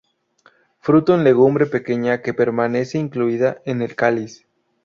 Fruto en legumbre pequeña que permanece incluida en el cáliz.